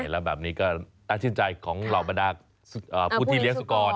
แล้วแบบนี้ก็ทัศนใจของรอบรดาพูดทีเลี้ยงสุกร